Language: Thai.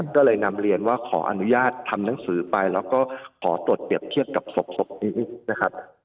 ก็เลยนำเรียนว่าขออนุญาตทำหนังสือไปแล้วก็ขอตรวจเปรียบเทียบกับศพนี้นะครับ